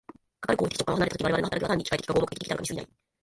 かかる行為的直観を離れた時、我々の働きは単に機械的か合目的的たるかに過ぎない。